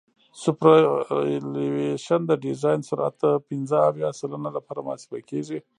سوپرایلیویشن د ډیزاین سرعت د پنځه اویا سلنه لپاره محاسبه کیږي